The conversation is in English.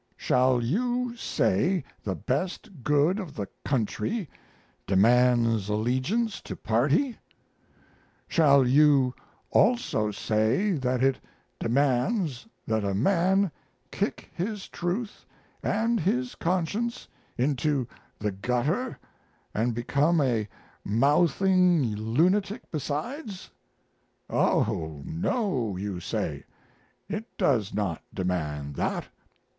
Shall you say the best good of the country demands allegiance to party? Shall you also say that it demands that a man kick his truth and his conscience into the gutter and become a mouthing lunatic besides? Oh no, you say; it does not demand that.